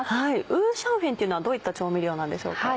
五香粉っていうのはどういった調味料なんでしょうか。